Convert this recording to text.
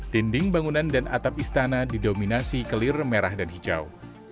dinding bangunan dan atap istana didominasi kelir merah dan hijau